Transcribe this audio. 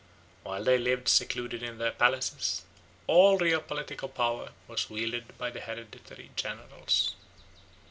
While they lived secluded in their palaces, all real political power was wielded by the hereditary generals.